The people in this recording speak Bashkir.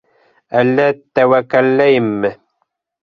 Әллә тәүәккәлләйемме?